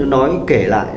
nói kể lại